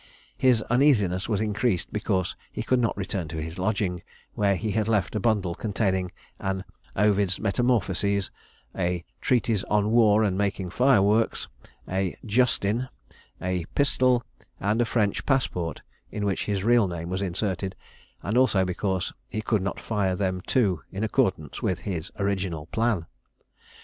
His uneasiness was increased because he could not return to his lodging, where he had left a bundle containing an "Ovid's Metamorphoses," a "Treatise on War and making Fireworks," a "Justin," a pistol, and a French passport, in which his real name was inserted; and also because he could not fire them too, in accordance with his original plan.